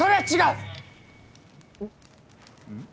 うん？